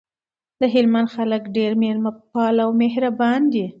دهلمند خلګ ډیر میلمه پاله او مهربان دي